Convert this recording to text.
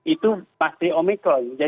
itu masih omikron